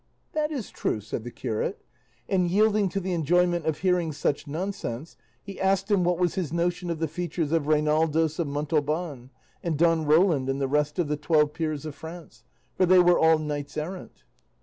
"That is true," said the curate, and yielding to the enjoyment of hearing such nonsense, he asked him what was his notion of the features of Reinaldos of Montalban, and Don Roland and the rest of the Twelve Peers of France, for they were all knights errant.